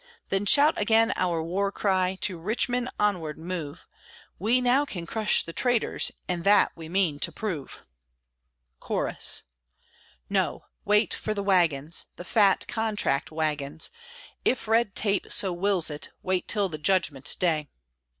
Then shout again our war cry, To Richmond onward move! We now can crush the traitors, And that we mean to prove! Chorus No! wait for the wagons, The fat contract wagons; If red tape so wills it, Wait till the Judgment day.